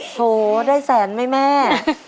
โอ้โฮได้แสนไหมแม่